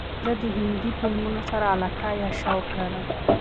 زه د هندې فیلمونو سره علاقه یا شوق لرم.